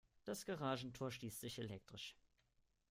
Das Garagentor schließt sich elektrisch.